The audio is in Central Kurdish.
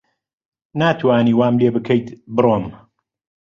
ناتوانی وام لێ بکەیت بڕۆم.